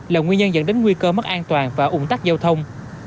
là nguyên nhân dẫn đến nguy cơ mất an toàn và ủng tắc giao thông